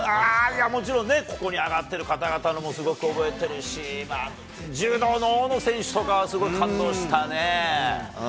いやー、もちろんね、ここに挙がってる方のもすごく覚えてるし、柔道の大野選手とか、すごい感動したね。